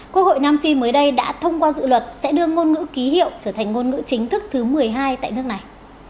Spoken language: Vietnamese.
quốc hội nam phi mới đây đã thông qua dự luật sẽ đưa ngôn ngữ ký hiệu trở thành ngôn ngữ chính thức thứ một mươi hai tại nước này